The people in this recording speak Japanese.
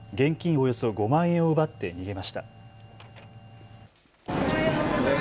およそ５万円を奪って逃げました。